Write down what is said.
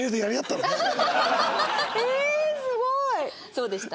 そうでした。